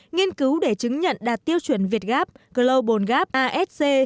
nghiên cứu để chứng nhận đạt tiêu chuẩn việt gap global gap asc